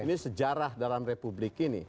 ini sejarah dalam republik ini